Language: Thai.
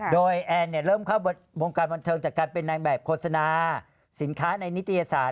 โดยแอนเริ่มเข้าบทโบรมการบนทึงจัดการเป็นแบบโฆษณาสินค้าในนิตยสาร